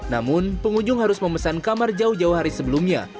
namun pengunjung harus memesan kamar jauh jauh hari sebelumnya